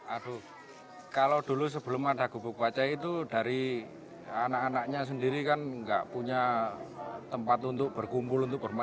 aduh kalau dulu sebelum ada gubuk baca itu dari anak anaknya sendiri kan nggak punya tempat untuk berkumpul untuk bermain